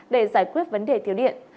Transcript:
để giải quyết vấn đề thiếu điện